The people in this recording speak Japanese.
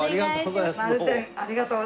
今日はありがとうございます。